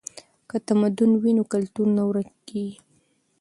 که تمدن وي نو کلتور نه ورکیږي.